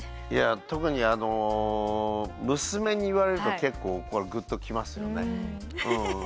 いや特にあの娘に言われると結構これグッと来ますよね。